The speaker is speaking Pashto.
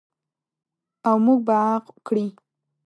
او موږ به عاق کړي.